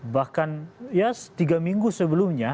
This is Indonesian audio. bahkan ya tiga minggu sebelumnya